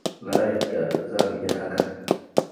Na yarda za mu iya hakan.